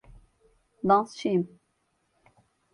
Dansçıyım.